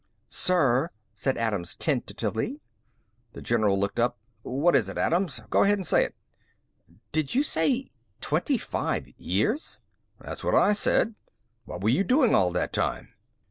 "Sir," said Adams tentatively. The general looked up. "What is it, Adams? Go ahead and say it." "Did you say twenty five years?" "That's what I said. What were you doing all that time?"